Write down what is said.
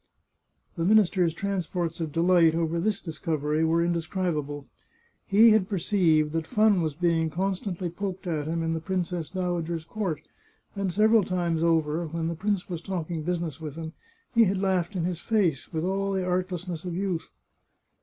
The minister's transports of delight over this discovery were indescribable. He had perceived that fun was being; constantly poked at him in the princess dowager's courts and several times over, when the prince was talking busi ness with him, he had laughed in his face, with all the art lessness of youth.